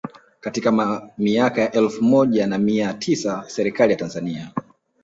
Katika miaka ya elfu moja na mia tisa Serikali ya Tanzania